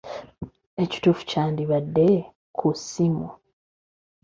Ekituufu kyandibadde ‘ku ssimu.’